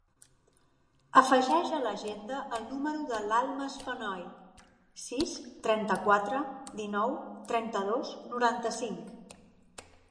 Afegeix a l'agenda el número de l'Almas Fenoy: sis, trenta-quatre, dinou, trenta-dos, noranta-cinc.